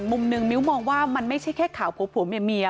มุมหนึ่งมิ้วมองว่ามันไม่ใช่แค่ข่าวผัวเมีย